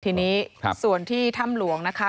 ทีนี้ส่วนที่ถ้ำหลวงนะคะ